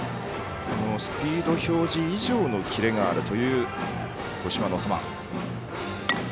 スピード表示以上のキレがあるという五島の球。